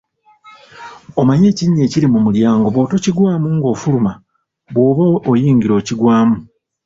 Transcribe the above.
Omanyi ekinnya ekiri mu mulyango bw'otokigwamu ng'ofuluma, bw'oba oyingira okigwamu.